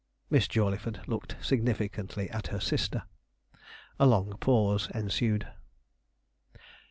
Miss Jawleyford looked significantly at her sister a long pause ensued.